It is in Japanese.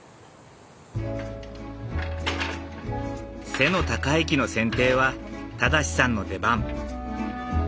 背の高い木の剪定は正さんの出番。